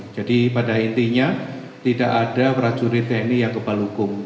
jadi pada intinya tidak ada prajurit tni yang kebal hukum